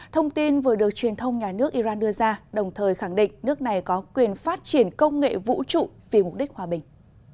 thông tin vừa được truyền thông nhà nước iran đưa ra đồng thời khẳng định nước này có quyền phát triển công nghệ vũ trụ vì mục đích hòa bình